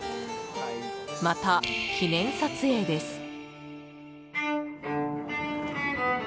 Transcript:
また記念撮影です。